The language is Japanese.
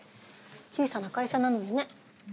小さな会社なのにね。